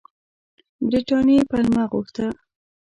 برټانیې پلمه غوښته.